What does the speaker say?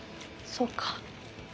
そうかぁ。